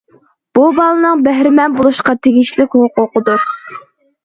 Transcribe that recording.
بۇ بالىنىڭ بەھرىمەن بولۇشقا تېگىشلىك ھوقۇقىدۇر.